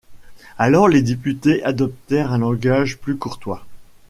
Alors les députés adoptèrent un langage plus courtois.